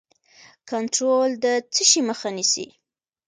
کنټرول د څه شي مخه نیسي؟